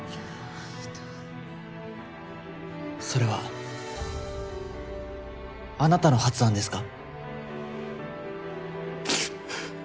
それはあなたの発案ですか？